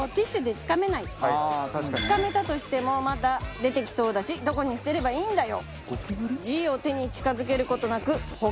つかめたとしてもまだ出てきそうだしどこに捨てればいいんだよ？